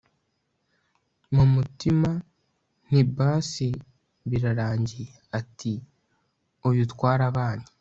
Mu mutima nti basi birarangiye ati uyu twarabanye